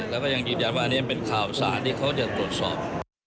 แล้วก็ยังยืนยันว่าอันนี้เป็นข่าวสารที่เขาจะตรวจสอบ